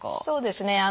そうですね。